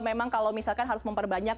memang kalau misalkan harus memperbanyak